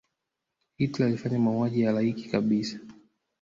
hitler alifanya mauaji ya halaiki kabisa